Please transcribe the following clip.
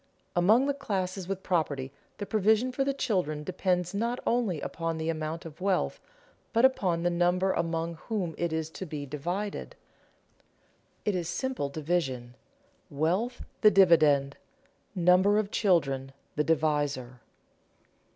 Among the classes with property the provision for the children depends not only upon the amount of wealth, but upon the number among whom it is to be divided. It is simple division: wealth the dividend, number of children the divisor.